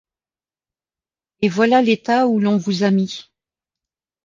Et voilà l’état où l’on vous a mis!